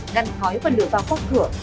ngăn khói và lửa vào khóc cửa